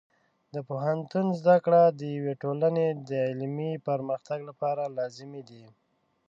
د پوهنتون زده کړې د یوې ټولنې د علمي پرمختګ لپاره لازمي دي.